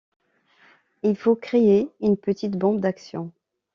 il faut créer une petite bombe d'action.